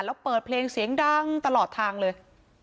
แล้วเปิดเพลงเสียงดังตลอดทางเลย